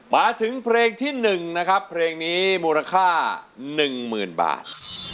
มาถึงเพลงที่๑นะครับเพลงนี้มูลค่า๑๐๐๐บาท